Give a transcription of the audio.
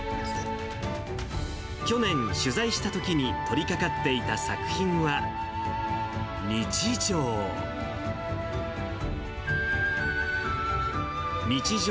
去年、取材したときに取りかかっていた作品は、日常。